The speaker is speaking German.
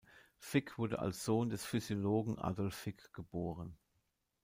Fick wurde als Sohn des Physiologen Adolf Fick geboren.